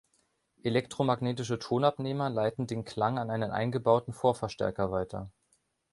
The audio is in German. Elektromagnetische Tonabnehmer leiten den Klang an einen eingebauten Vorverstärker weiter.